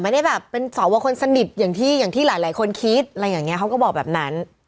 เพราะสอวองที่เรารู้เป็นการคัดสรรเข้ามา